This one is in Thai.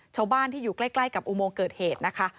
ชาวบ้านที่อยู่ใกล้กับอุโมงเกิดเหตุนะคะ